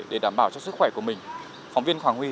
tiếp nối chương trình